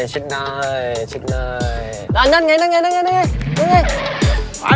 ชิดไหน